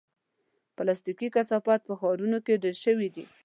پلاستيکي کثافات په ښارونو کې ډېر شوي دي.